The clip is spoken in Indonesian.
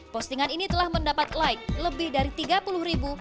postingan ini telah mendapat like lebih dari tiga puluh ribu